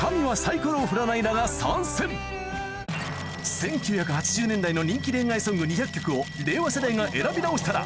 １９８０年代の人気恋愛ソング２００曲を令和世代が選び直したら？